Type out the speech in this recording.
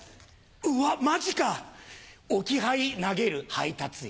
うわマジか置き配投げる配達員。